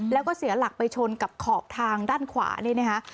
แล้วก็เสียหลักไปชนกับขอบทางด้านขวานี่นะคะ